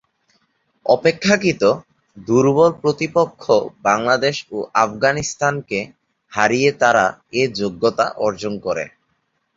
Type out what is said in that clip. অপেক্ষাকৃত দুর্বল প্রতিপক্ষ বাংলাদেশ ও আফগানিস্তানকে হারিয়ে তারা এ যোগ্যতা অর্জন করে।